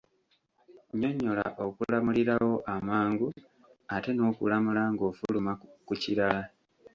Nnyonnyola okulamulirawo amangu ate n'okulamula ng'ofuluma ku kirala.